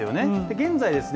現在ですね